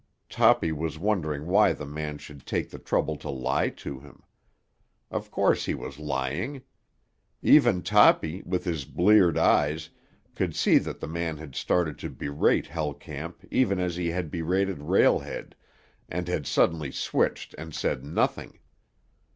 Toppy was wondering why the man should take the trouble to lie to him. Of course he was lying. Even Toppy, with his bleared eyes, could see that the man had started to berate Hell Camp even as he had berated Rail Head and had suddenly switched and said nothing.